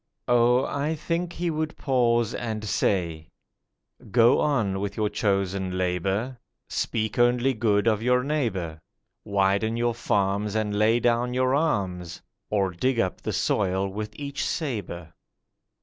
Oh, I think He would pause and say: 'Go on with your chosen labour; Speak only good of your neighbour; Widen your farms, and lay down your arms, Or dig up the soil with each sabre.